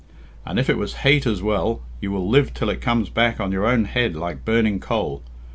And if it was hate as well, you will live till it comes back on your own head like burning coal.